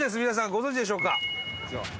皆さん、ご存じでしょうか。